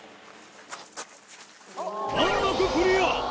難なくクリア。